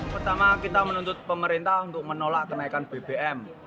pertama kita menuntut pemerintah untuk menolak kenaikan bbm